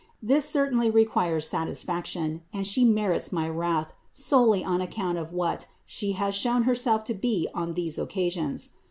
This certainly requires satisfaction, and She merits my wrath solely on account of what She has shown Herself to be on these occasions.